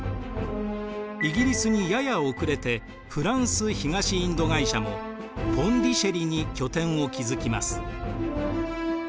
イギリスにやや遅れてフランス東インド会社もポンディシェリに拠点を築きます。